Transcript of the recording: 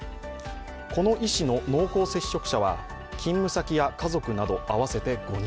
この医師の濃厚接触者は勤務先や家族など合わせて５人。